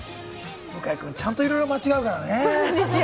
向井くん、ちゃんといろいろ間違えるからね。